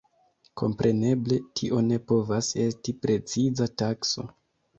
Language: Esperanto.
Kompreneble tio ne povas esti preciza takso.